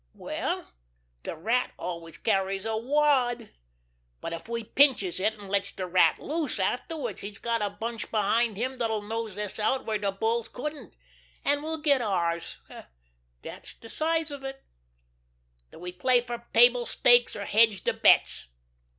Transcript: Well, de Rat always carries a wad, but if we pinches it an' lets de Rat loose afterwards he's got a bunch behind him dat'll nose us out where de bulls couldn't, an' we'll get ours. Dat's de size of it. Do we play fer table stakes, or hedge de bets?"